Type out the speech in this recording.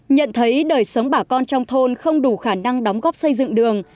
nhận thấy đời sống bà con trong thôn không đủ khả năng đóng góp xây dựng đường